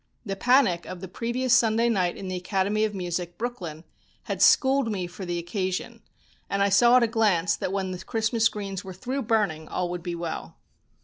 The panic of the previous Sunday night in the Academy of Music, Brooklyn, had schooled me for the occasion, and I saw at a glance that when the Christmas greens were through burning all would be well.